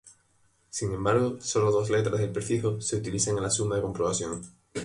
Sin embargo, sólo dos letras del prefijo se utilizan en la suma de comprobación.